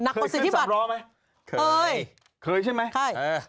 เคยขึ้นสำล้อไหมเคยเคยใช่ไหมเออ